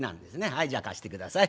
はいじゃあ貸してください。